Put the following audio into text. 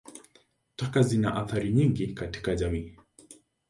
Taka zina athari nyingi katika jamii.